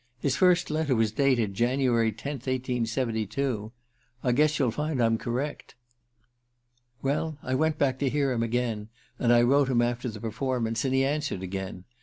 His first letter was dated January 10, 1872. I guess you'll find I'm correct. Well, I went back to hear him again, and I wrote him after the performance, and he answered again.